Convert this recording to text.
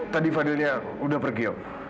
tadi fadilnya udah pergi om